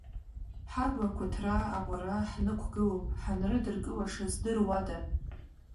Ҳаблақәа ҭраа аҟәара ҳхықәгылоуп, ҳанрыдыркылаша здыруада!